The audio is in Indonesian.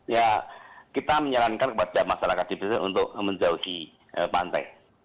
ya kita menyarankan kepada masyarakat di desa untuk menjauhi pantai